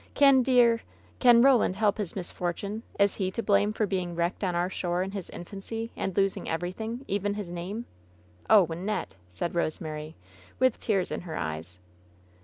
Can dear — can Roland help his misfortune ? Is he to blame for being wrecked on our shore in his infancy, and los ing everything, even his name ? Oh, Wynnette !" said Rosemary, with tears in her eyes.